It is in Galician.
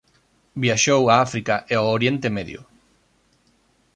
Vixou África e ao Oriente Medio.